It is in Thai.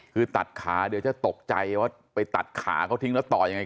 คือตัดขาเดี๋ยวจะตกใจว่าไปตัดขาเขาทิ้งแล้วต่อยังไง